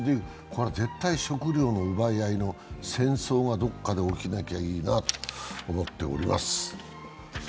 これは絶対、食糧の奪い合いの戦争がどこかで起きなきゃいいなと思っております。